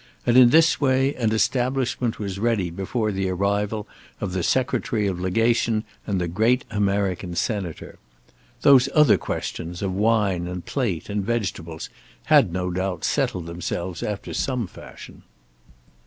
And in this way an establishment was ready before the arrival of the Secretary of Legation and the great American Senator. Those other questions of wine and plate and vegetables had, no doubt, settled themselves after some fashion.